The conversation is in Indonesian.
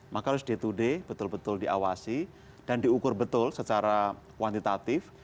maka harus day to day betul betul diawasi dan diukur betul secara kuantitatif